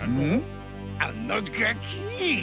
あのガキ！